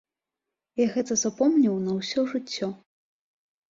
Я гэта запомніў на ўсё жыццё.